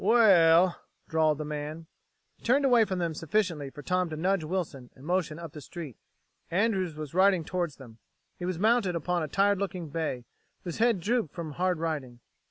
"Well," drawled the man. He turned away from them sufficiently for Tom to nudge Wilson and motion up the street. Andrews was riding toward them! He was mounted upon a tired looking bay, whose head drooped from hard riding.